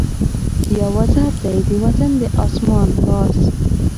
یو وزر دی د وطن د آسمان ، باز